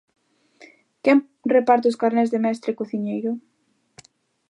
Quen reparte os carnés de mestre cociñeiro?